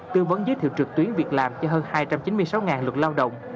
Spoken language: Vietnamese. tư vấn giới thiệu trực tuyến việc làm cho hơn hai trăm chín mươi sáu lượt lao động